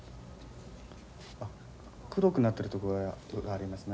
あっ黒くなってるところがありますね。